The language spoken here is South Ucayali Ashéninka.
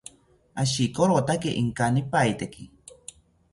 Ashikorotake inkanipaiteki